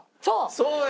そうや！